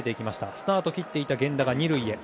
スタートを切っていた源田は２塁へ。